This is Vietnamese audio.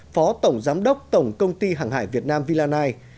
phó tổng giám đốc tổng công ty hàng hải việt nam vinai